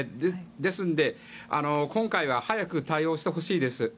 ですので、今回は早く対応してほしいです。